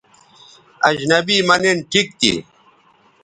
اجنبی مہ نِن ٹھیک تھی